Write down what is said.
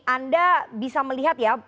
anda bisa melihat ya